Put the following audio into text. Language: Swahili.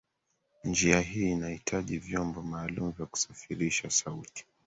njia hii inahitaji vyombo maalumu vya kusafirisha sauti